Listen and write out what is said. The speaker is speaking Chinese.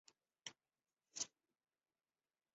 杨光斌明确反对所谓历史终结论。